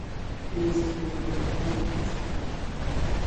He was succeeded by Robert Allan Fitzgerald.